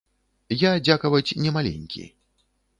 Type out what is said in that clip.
Я, дзякаваць, не маленькі.